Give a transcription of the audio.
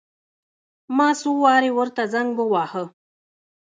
ما څو وارې ورته زنګ وواهه.